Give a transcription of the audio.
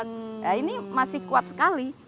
nah ini masih kuat sekali